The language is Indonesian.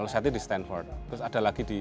seti di stanford terus ada lagi di